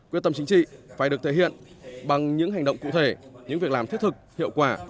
quyết tâm chính trị phải được thể hiện bằng những hành động cụ thể những việc làm thiết thực hiệu quả